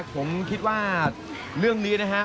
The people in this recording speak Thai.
ผมคิดว่าเรื่องนี้นะฮะ